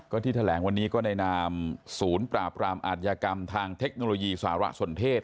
ก็ที่แถลงวันนี้ก็ในนามศูนย์ปราบรามอาทยากรรมทางเทคโนโลยีสารสนเทศ